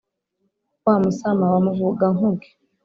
wa musama wa muvugankuge